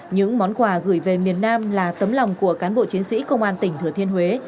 những món quà gửi về miền nam là tấm lòng của cán bộ chiến sĩ công an tỉnh thừa thiên huế